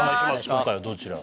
今回はどちら？